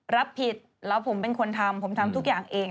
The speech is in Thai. รับผิดแล้วผมเป็นคนทำผมทำทุกอย่างเอง